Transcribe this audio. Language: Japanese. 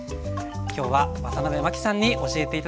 今日はワタナベマキさんに教えて頂きました。